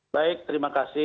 baik terima kasih